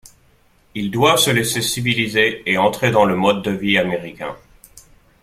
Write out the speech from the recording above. Ils doivent se laisser civiliser et entrer dans le mode de vie américain.